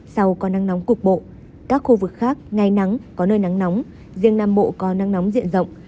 sau có nắng nóng cục bộ các khu vực khác ngày nắng có nơi nắng nóng riêng nam bộ có nắng nóng diện rộng